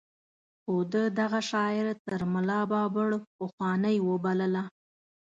خو ده دغه شاعر تر ملا بابړ پخوانۍ وباله.